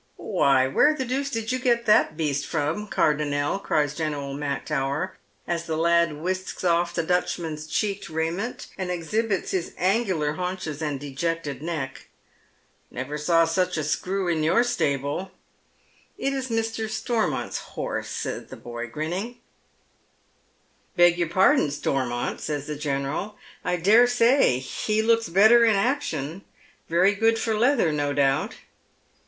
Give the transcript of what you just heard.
" Why, where the deuce did you get that beast from, Car donnel V " cries General Mactowcr, as the lad whisks off the Dutchman's checked raiment, and exhibits his angular haunches and dejected neck. " Never saw such a screw in your stable." " It's Mr. Stoi mont's horse," says the boy, grinning, •' Beg your pardon, Stormont," says the General, " I dare say ne looks better in action. Very good for leather, no doubt."